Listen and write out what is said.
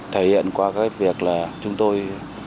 thể hiện qua các việc là chúng tôi